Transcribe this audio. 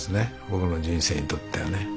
僕の人生にとってはね。